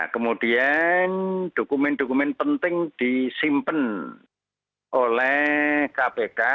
kemudian dokumen dokumen penting disimpan oleh kpk